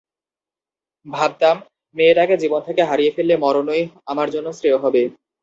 ভাবতাম, মেয়েটাকে জীবন থেকে হারিয়ে ফেললে মরণই আমার জন্য শ্রেয় হবে।